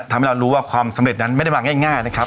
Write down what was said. ทำให้เรารู้ว่าความสำเร็จนั้นไม่ได้มาง่ายนะครับ